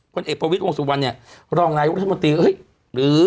เอกประวิทย์วงสุวรรณเนี่ยรองนายกรัฐมนตรีเฮ้ยหรือ